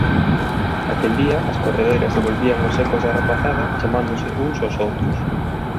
Aquel día as corredoiras devolvían os ecos da rapazada chamándose uns ós outros.